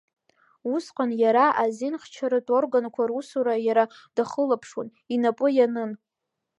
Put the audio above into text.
Усҟан иара азинхьчаратә органқәа русура иара дахылаԥшуан, инапы ианын.